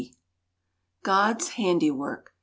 GOD'S HANDIWORK.